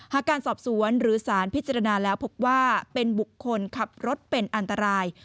การสอบสวนหรือสารพิจารณาแล้วพบว่าเป็นบุคคลขับรถเป็นอันตราย